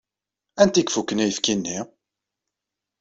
Anta i ifuken ayefki-nni?